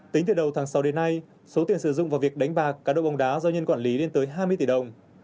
tính từ đầu tháng sáu đến nay số tiền sử dụng vào việc đánh bạc cá độ bóng đá do nhân quản lý lên tới hai mươi tỷ đồng